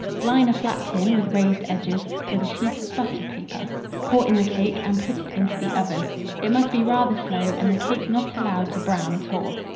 Line a flat tin, with raised edges, with a sheet of buttered paper; pour in the cake, and put it into the oven. It must be rather slow, and the cake not allowed to brown at all.